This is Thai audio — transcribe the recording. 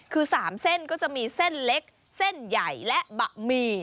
คือ๓เส้นก็จะมีเส้นเล็กเส้นใหญ่และบะหมี่